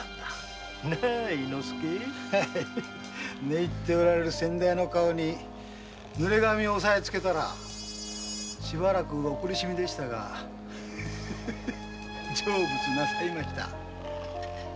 寝入ってる先代の顔に濡れ紙を押しつけたらしばらくお苦しみでしたが成仏なさいました。